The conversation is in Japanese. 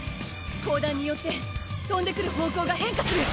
光弾によってとんでくる方向が変化する！